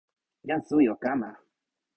jan suwi o kama.